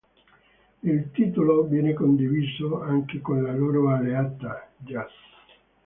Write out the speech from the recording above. Il titolo viene condiviso anche con la loro alleata, Jazz.